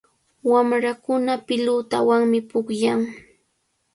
Wamrakuna pilutawanmi pukllan.